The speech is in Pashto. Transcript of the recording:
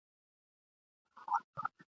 د دې مړی به په درنښت ښخ سي.